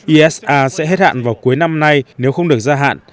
isa sẽ hết hạn vào cuối năm nay nếu không được gia hạn